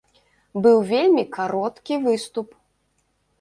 Быў вельмі кароткі выступ.